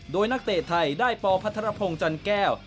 โดยนักเตะไทยได้ปพัทรพงศ์จันแก้ว